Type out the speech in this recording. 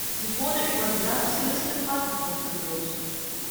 Sie wurde über die Landesliste Brandenburg gewählt.